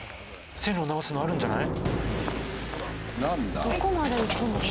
線路を直すのあるんじゃない？